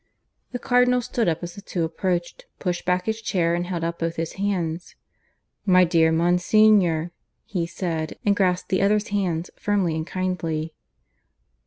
The Cardinal stood up as the two approached, pushing back his chair, and held out both his hands. "My dear Monsignor," he said, and grasped the other's hands firmly and kindly.